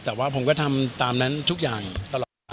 แต่ว่าผมก็ทำตามนั้นทุกอย่างตลอดภาพนะครับ